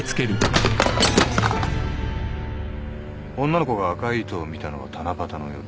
女の子が赤い糸を見たのは七夕の夜。